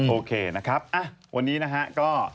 โอเคนะครับวันนี้นะฮะก็